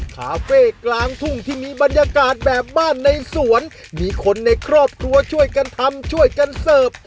คาเฟ่กลางทุ่งที่มีบรรยากาศแบบบ้านในสวนมีคนในครอบครัวช่วยกันทำช่วยกันเสิร์ฟ